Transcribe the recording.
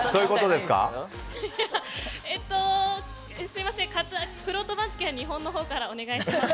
すみません、くろうと番付は日本のほうからお願いします。